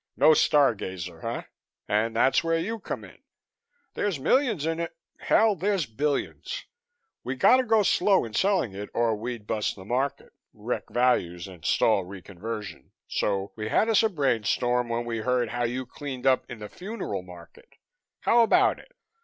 No star gazer, eh? And that's where you come in. There's millions in it. Hell! there's billions. We got to go slow in selling it or we'd bust the market, wreck values and stall reconversion, so we had us a brain storm when we heard how you cleaned up in the Funeral Market. How about it?